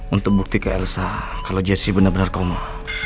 untuk bukti ke elsa kalau jessy bener bener koma